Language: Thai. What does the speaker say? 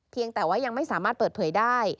แต่ว่ายังไม่สามารถเปิดเผยได้